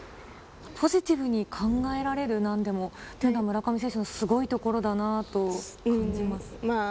ポジティブに考えられる、なんでも、村上選手のすごいところだなと感じます。